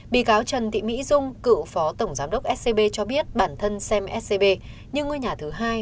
bị cáo trần thị mỹ dung cựu phó tổng giám đốc scb cho biết bản thân xem scb nhưng ngôi nhà thứ hai